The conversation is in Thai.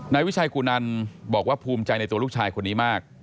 นายวิชัยกูนันบอกว่าภูมิใจในตัวลูกชายคนนี้มาก